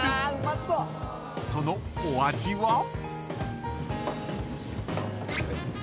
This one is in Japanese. ［そのお味は？］